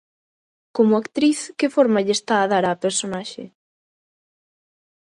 Como actriz, que forma lle está a dar á personaxe?